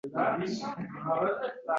Hech nima bo’lmaydi.